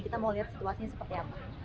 kita mau lihat situasinya seperti apa